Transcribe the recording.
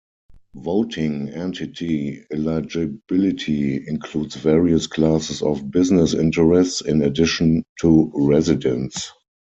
Voting entity eligibility includes various classes of business interests, in addition to residents.